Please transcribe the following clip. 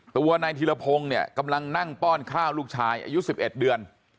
ตัวนายธิรพงศ์เนี่ยกำลังนั่งป้อนข้าวลูกชายอายุ๑๑เดือน